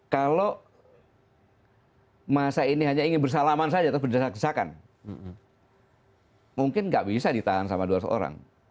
kalau masa ini hanya ingin bersalaman saja atau berdesak desakan mungkin nggak bisa ditahan sama dua ratus orang